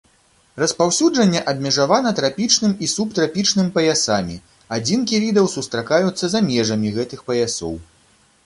Распаўсюджанне абмежавана трапічным і субтрапічным паясамі, адзінкі відаў сустракаюцца за межамі гэтых паясоў.